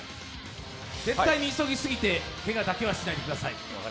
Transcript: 絶対に急ぎすぎてけがだけはしないでください。